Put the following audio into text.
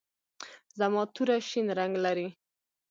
زما توره شین رنګ لري.